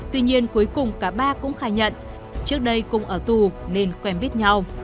tuy nhiên cuối cùng cả ba cũng khai nhận trước đây cùng ở tù nên quen biết nhau